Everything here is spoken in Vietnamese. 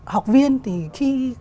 học viên thì khi tôi nói